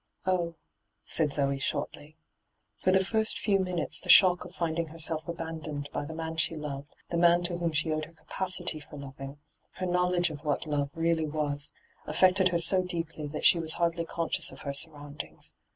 *' Oh,' said Zoe shortly. For the first few minutes the shock of finding herself abandoned by the man she loved, the man to whom she owed her capacity for loving, her knowledge of what love really was, affected her so deeply that she was hardly conscious of her surround ings.